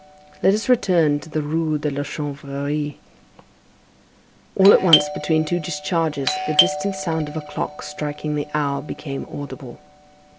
Let us return to the Rue de la Chanvrerie. All at once, between two discharges, the distant sound of a clock striking the hour became audible.